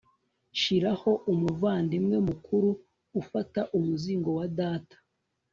shiraho umuvandimwe mukuru, ufata umuzingo wa data